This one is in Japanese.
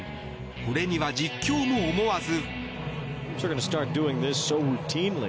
これには実況も思わず。